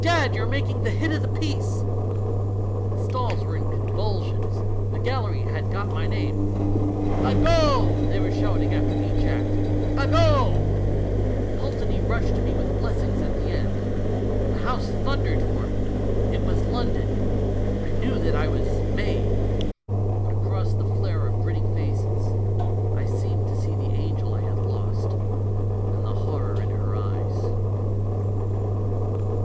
Gad! you're making the hit of the piece !' The stalls were in convul sions, the gallery had got my name. 'Bagotf they were shouting — after each act, 'Bagot!^ Pulteney rushed to me with blessings at the end. The house thundered for me. It was London! I knew that I was 'made' ! But across the flare of grinning faces, I seemed to see the Angel 1 had lost and the horror in her eyes."